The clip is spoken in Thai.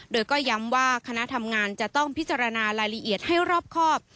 โดยก็ย้ำว่าคณะทำงานจะต้องพิจารณารายละเอียดให้รอบครอบ